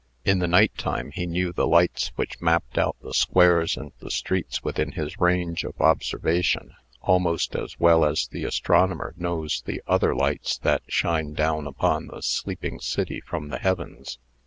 In the nighttime, he knew the lights which mapped out the squares and the streets within his range of observation, almost as well as the astronomer knows the other lights that shine down upon the sleeping city from the heavens.